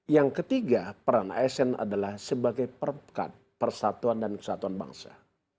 yang ketiga peran asn adalah sebagai perkat persatuan dan kesatuan bangsa